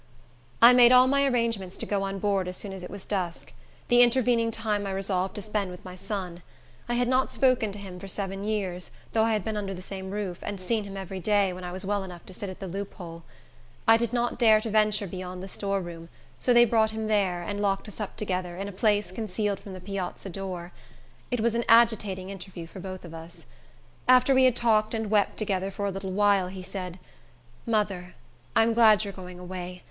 I made all my arrangements to go on board as soon as it was dusk. The intervening time I resolved to spend with my son. I had not spoken to him for seven years, though I had been under the same roof, and seen him every day, when I was well enough to sit at the loophole. I did not dare to venture beyond the storeroom; so they brought him there, and locked us up together, in a place concealed from the piazza door. It was an agitating interview for both of us. After we had talked and wept together for a little while, he said, "Mother, I'm glad you're going away.